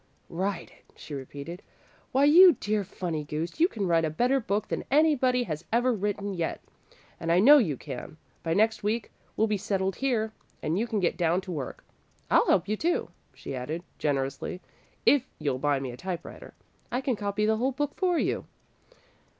"Write it," she repeated; "why, you dear, funny goose, you can write a better book than anybody has ever written yet, and I know you can! By next week we'll be settled here and you can get down to work. I'll help you, too," she added, generously. "If you'll buy me a typewriter, I can copy the whole book for you."